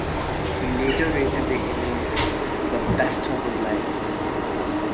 He later rated the innings the "best of his life".